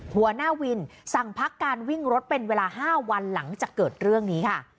หัวหน้าวินสั่งพักการวิ่งรถเป็นเวลา๕วันหลังจากเกิดเรื่องนี้ค่ะ